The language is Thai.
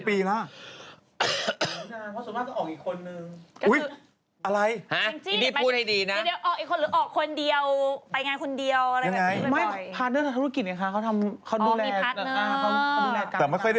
อ๋อมีพลัสเก้า